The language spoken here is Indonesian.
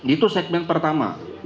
itu segmen pertama